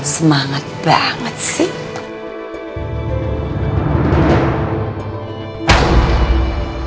semangat banget sih